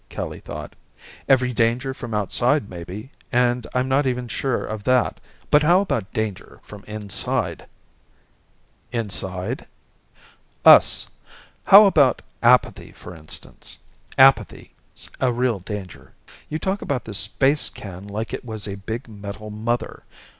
Kelly thought. "Every danger from outside maybe, and I'm not even sure of that. But how about danger from inside?" "Inside?" "Us. How about apathy for instance? Apathy's a real danger. You talk about this space can like it was a big metal mother!